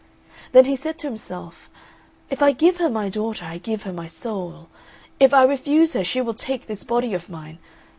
Then he said to himself, "If I give her my daughter, I give her my soul. If I refuse her, she will take this body of mine.